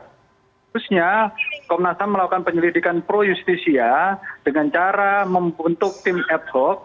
khususnya komnas ham melakukan penyelidikan pro justisia dengan cara membentuk tim ad hoc